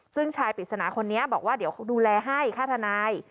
ซึ่งชายปริศนาคนนี้บอกว่าเดี๋ยวดูแลให้ค่าทนาย